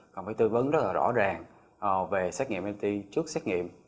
còn phải tư vấn rất là rõ ràng về xét nghiệm mt trước xét nghiệm